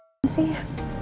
siapa sih ya